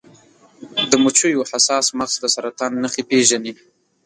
د مچیو حساس مغز د سرطان نښې پیژني.